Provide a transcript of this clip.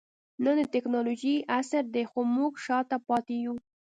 نن د ټکنالوجۍ عصر دئ؛ خو موږ شاته پاته يو.